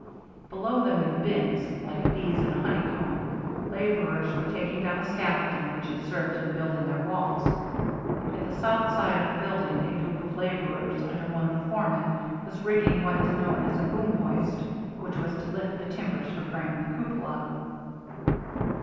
Below them in the bins, like bees in a honeycomb, laborers were taking down the scaffolding which had served in building their walls. At the south side of the building a group of laborers, under one of the foremen, was rigging what is known as a boom hoist, which was to lift the timbers for framing the cupola.